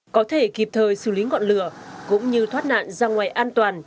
có thể kịp thời xử lý ngọn lửa cũng như thoát nạn ra ngoài an toàn